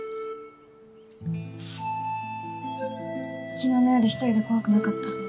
昨日の夜１人で怖くなかった？